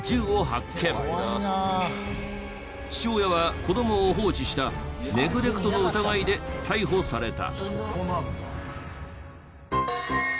父親は子どもを放置したネグレクトの疑いで逮捕された。